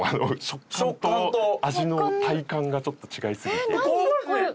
食感と味の体感がちょっと違いすぎて。